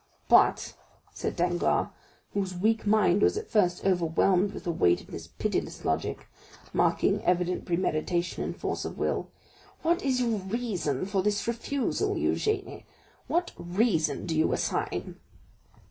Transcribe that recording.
"But," said Danglars, whose weak mind was at first quite overwhelmed with the weight of this pitiless logic, marking evident premeditation and force of will, "what is your reason for this refusal, Eugénie? what reason do you assign?"